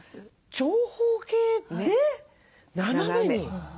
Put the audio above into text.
長方形で斜めに。